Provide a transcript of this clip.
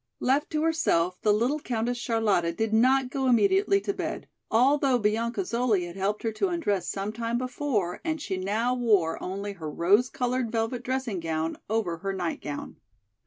Left to herself the little Countess Charlotta did not go immediately to bed, although Bianca Zoli had helped her to undress some time before and she now wore only her rose colored velvet dressing gown over her night gown.